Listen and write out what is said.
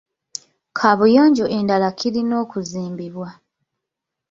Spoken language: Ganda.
Kaabuyonjo endala kirina okuzimbibwa.